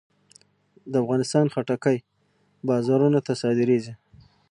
د افغانستان خټکی بازارونو ته صادرېږي.